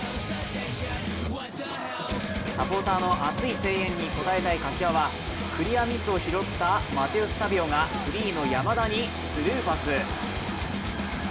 サポーターの熱い声援に応えたい柏はクリアミスを拾ったマテウス・サヴィオがフリーの山田にスルーパス。